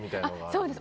そうです。